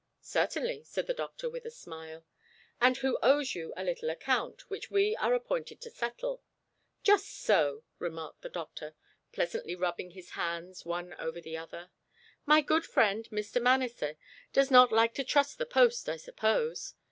"Certainly," said the doctor, with a smile. "And who owes you a little account, which we are appointed to settle." "Just so!" remarked the doctor, pleasantly rubbing his hands one over the other. "My good friend, Mr. Manasseh, does not like to trust the post, I suppose?